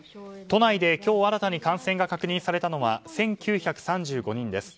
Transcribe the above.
都内で今日新たに感染が確認されたのは１９３５人です。